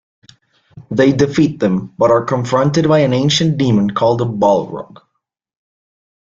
They defeat them, but are confronted by an ancient demon called a Balrog.